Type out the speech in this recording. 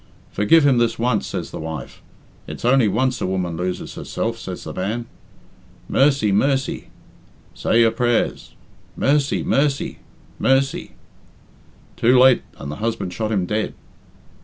'Forgive him this once,' says the wife. 'It's only once a woman loses herself,' says the man. 'Mercy, mercy!' 'Say your prayers.' 'Mercy, mercy, mercy!' 'Too late!' and the husband shot him dead.